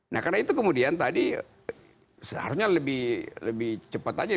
nah karena itu kemudian tadi seharusnya lebih cepat aja